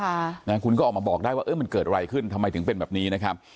นะคุณก็ออกมาบอกได้ว่าเออมันเกิดอะไรขึ้นทำไมถึงเป็นแบบนี้นะครับ